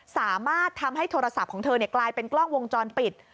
สามารถทำให้โทรศัพท์ของเธอกลายเป็นกล้องวงจรปิด